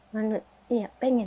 menurut saya ingin